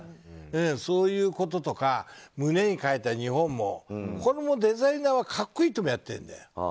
そういうこととか胸に書いた「日本」もこれもデザイナーは恰好いいと思ってるんだよ。